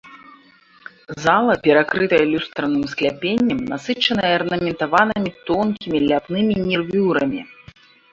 Зала перакрытая люстраным скляпеннем, насычаная арнаментаванымі тонкімі ляпнымі нервюрамі.